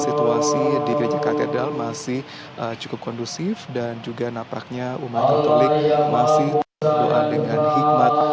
situasi di gereja katedral masih cukup kondusif dan juga napaknya umat katolik masih berdoa dengan hikmat